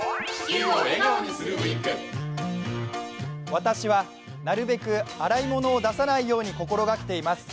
私はなるべく洗い物を出さないように心がけています